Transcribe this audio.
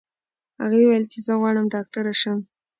هغې وویل چې زه غواړم ډاکټره شم.